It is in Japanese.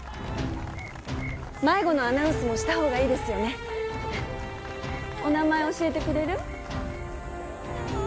迷子のアナウンスもしたほうがいいですよねお名前教えてくれる？